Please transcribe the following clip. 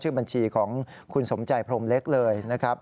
บัญชีของคุณสมใจพรมเล็กเลยนะครับ